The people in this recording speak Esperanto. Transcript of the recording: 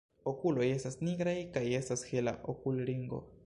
Okuloj estas nigraj kaj estas hela okulringo.